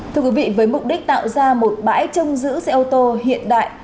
thưa quý vị với mục đích tạo ra một bãi trông giữ xe ô tô hiện đại